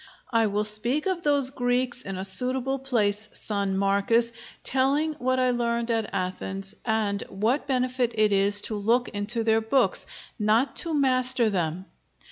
"I will speak of those Greeks in a suitable place, son Marcus, telling what I learned at Athens, and what benefit it is to look into their books, not to master them.